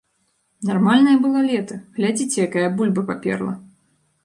Нармальнае было лета, глядзіце, якая бульба паперла!